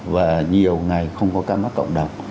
và nhiều ngày không có ca mắc cộng đồng